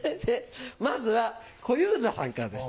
まずは小遊三さんからです。